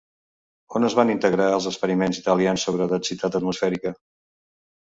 On es van integrar els experiments italians sobre densitat atmosfèrica?